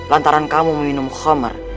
lantaran kamu meminum khomar